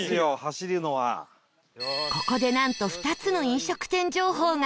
ここでなんと２つの飲食店情報が